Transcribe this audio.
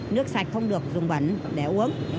nước sạch không được dùng bẩn để uống